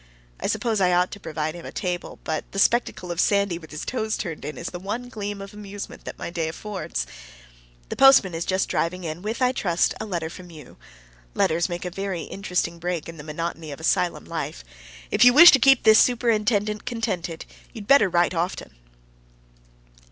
I suppose I ought to provide a table, but the spectacle of Sandy with his toes turned in is the one gleam of amusement that my day affords. The postman is just driving in with, I trust, a letter from you. Letters make a very interesting break in the monotony of asylum life. If you wish to keep this superintendent contented, you'd better write often.